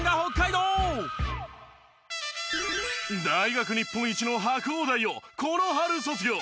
大学日本一の白大をこの春卒業。